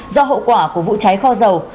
do hậu quả của vụ cháy kho dầu